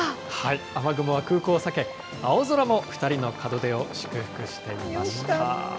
雨雲は空港を避け、青空も２人の門出を祝福していました。